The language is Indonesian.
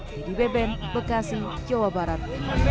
dedy beben bekasi jawa barat